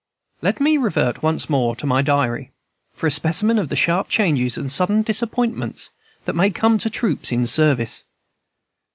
Let me revert once more to my diary, for a specimen of the sharp changes and sudden disappointments that may come to troops in service.